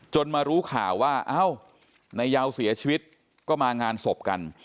มารู้ข่าวว่าเอ้านายยาวเสียชีวิตก็มางานศพกัน